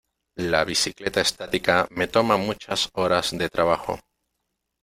La bicicleta estática me toma muchas horas de trabajo.